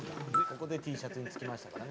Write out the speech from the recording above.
ここでＴシャツに付きましたからね。